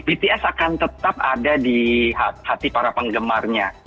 bts akan tetap ada di hati para penggemarnya